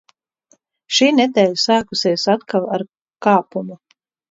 Šī nedēļa sākusies atkal ar kāpumu.